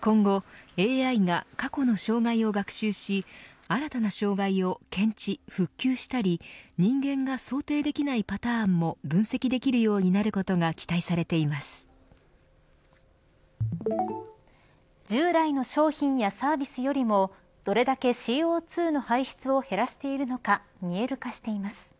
今後ＡＩが過去の障害を学習し新たな障害を検知・復旧したり人間が想定できないパターンも分析できるようになることが従来の商品やサービスよりもどれだけＣＯ２の排出を減らしているのか見える化しています。